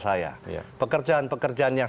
saya pekerjaan pekerjaan yang